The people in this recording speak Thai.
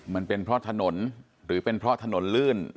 มันเป็นเพราะถนนหรือเป็นเพราะถนนลื่น